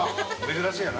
珍しいよな。